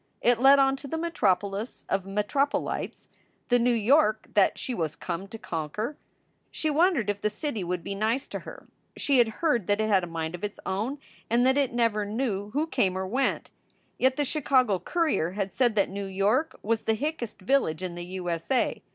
It led on to the metropolis of metropolites, the New York that she was come to conquer. She wondered if the city would be nice to her. She had heard that it had a mind of its own and that it never knew who came or went. Yet the Chicago courier had said that New York was "the hickest village in the U. S. A.